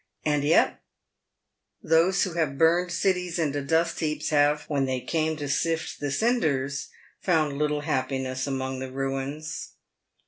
And yet those who have burned cities into dust heaps, have — when they came to sift the cinders — found little happiness among the ruins.